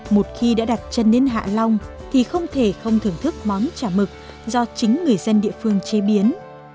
một khi đã đặt chân đến hạ long thì không thể không thưởng thức món chả mực do chính người dân địa phương chế biến